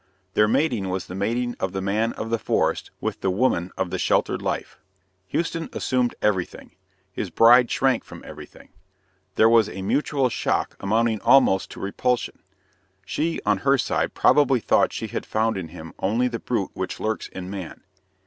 Their mating was the mating of the man of the forest with the woman of the sheltered life. Houston assumed everything; his bride shrank from everything. There was a mutual shock amounting almost to repulsion. She, on her side, probably thought she had found in him only the brute which lurks in man.